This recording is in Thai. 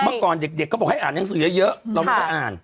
เมื่อก่อนเด็กก็บอกให้อ่านหนังสือเยอะเราไม่ได้อ่าน